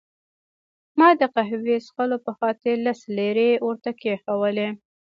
ما د قهوې څښلو په خاطر لس لیرې ورته کښېښوولې.